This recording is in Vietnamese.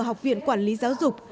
học viện quản lý giáo dục